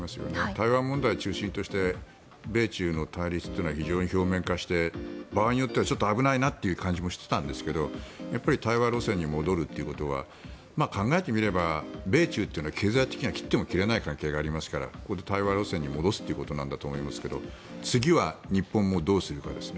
台湾問題を中心として米中の対立というのは非常に表面化して場合によってはちょっと危ないなという感じもしていたんですが対話路線に戻るということは考えてみれば米中って経済的には切っても切れない関係がありますからここで対話路線に戻すということなんだと思いますが次は日本もどうするかですね。